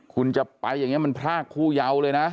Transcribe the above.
คุณจะไปอย่างนี้มันพรากคู่เยาเลยนะ